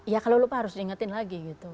ya kalau lupa harus diingetin lagi gitu